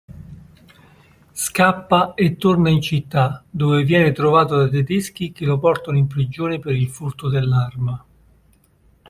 Scappa e torna in città dove viene trovato dai tedeschi che lo portano in prigione per il furto dell'arma.